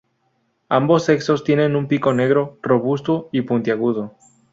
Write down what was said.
Ambos sexos tienen un pico negro, robusto y puntiagudo.